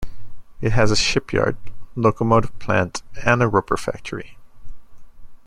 It has a shipyard, locomotive plant, and a rubber factory.